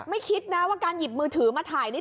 คิดนะว่าการหยิบมือถือมาถ่ายนี่